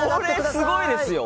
すごいですよ！